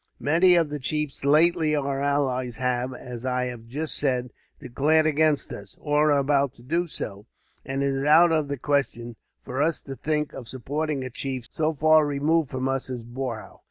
Many of the chiefs lately our allies have, as I have just said, declared against us, or are about to do so; and it is out of the question, for us to think of supporting a chief so far removed from us as Boorhau.